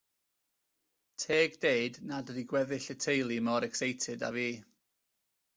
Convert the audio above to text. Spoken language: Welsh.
Teg deud nad ydi gweddill y teulu mor ecseited â fi.